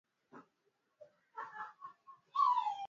Ameenda baharini